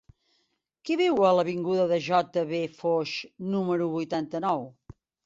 Qui viu a l'avinguda de J. V. Foix número vuitanta-nou?